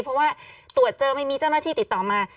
เพราะว่าตรวจเจอไม่มีเจ้าหน้าที่ติดต่อมา